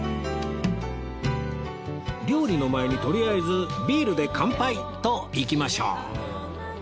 料理の前にとりあえずビールで乾杯といきましょう